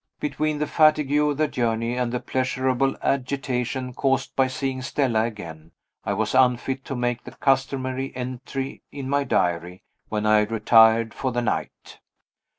Between the fatigue of the journey and the pleasurable agitation caused by seeing Stella again, I was unfit to make the customary entry in my diary when I retired for the night.